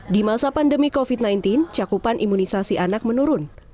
di masa pandemi covid sembilan belas cakupan imunisasi anak menurun